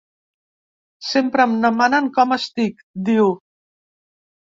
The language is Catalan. Sempre em demanen com estic, diu.